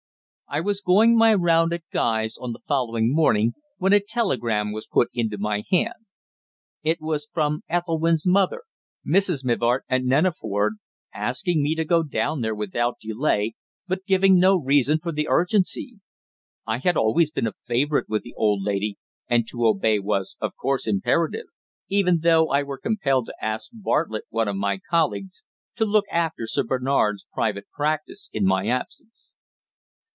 I was going my round at Guy's on the following morning when a telegram was put into my hand. It was from Ethelwynn's mother Mrs. Mivart, at Neneford asking me to go down there without delay, but giving no reason for the urgency. I had always been a favourite with the old lady, and to obey was, of course, imperative even though I were compelled to ask Bartlett, one of my colleagues, to look after Sir Bernard's private practice in my absence.